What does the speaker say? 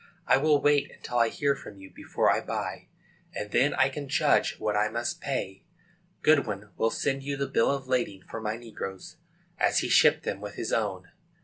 I will wait until I hear from you before I buy, and then I can judge what I must pay. Goodwin will send you the bill of lading for my negroes, as he shipped them with his own.